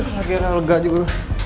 lagi lagi lega juga